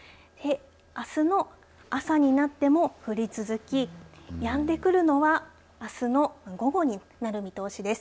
あすの朝になっても降り続きやんでくるのはあすの午後になる見通しです。